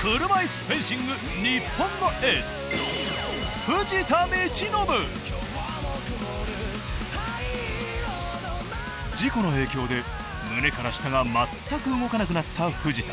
車いすフェンシング日本のエース事故の影響で胸から下が全く動かなくなった藤田。